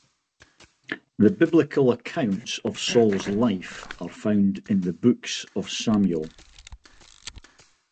The biblical accounts of Saul's life are found in the Books of Samuel.